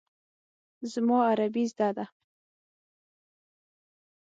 زما عربي زده ده.